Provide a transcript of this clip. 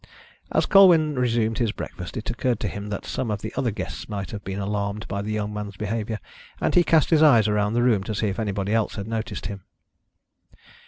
As Colwyn resumed his breakfast it occurred to him that some of the other guests might have been alarmed by the young man's behaviour, and he cast his eyes round the room to see if anybody else had noticed him.